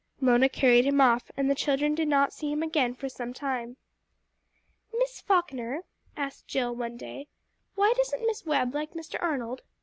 Mona carried him off, and the children did not see him again for some time. "Miss Falkner," asked Jill one day, "why doesn't Miss Webb like Mr. Arnold?